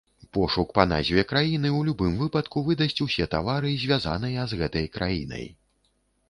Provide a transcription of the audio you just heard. Пошук па назве краіны ў любым выпадку выдасць усе тавары, звязаныя з гэтай краінай.